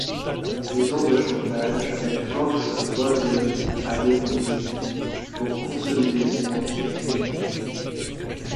En usant de chantage, elle force Wolverine à l’épouser pour consolider son empire criminel.